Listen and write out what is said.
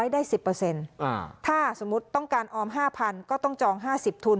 ๑๐๐ได้๑๐เปอร์เซ็นต์ถ้าสมมุติต้องการออม๕๐๐๐ก็ต้องจอง๕๐ทุน